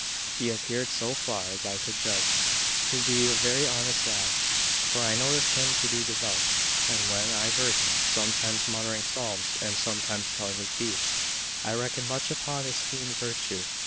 He appeared, so far as I could judge, to be a very honest lad, for I noticed him to be devout, and when I heard him sometimes muttering psalms, and sometimes telling his beads, I reckoned much upon his feigned virtue.